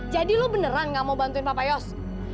lo beneran gak mau bantuin papa yos